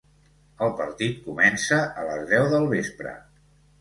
El partit comença a les deu del vespre.